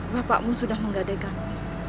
bapakmu sudah menggadeganku